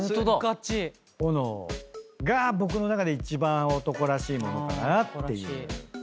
斧が僕の中で一番男らしい物かなっていう。